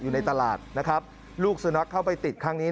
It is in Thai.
อยู่ในตลาดนะครับลูกสุนัขเข้าไปติดครั้งนี้